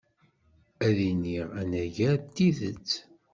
Ad d-iniɣ anagar tidet.